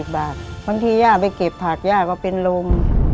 บางทีย่าไปเก็บผักย่าก็เป็นลม